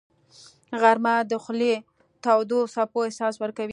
غرمه د خولې تودو څپو احساس ورکوي